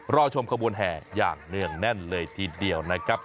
รอชมขบวนแห่อย่างเนื่องแน่นเลยทีเดียวนะครับ